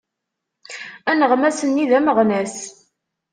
Aneɣmas-nni d ameɣnas.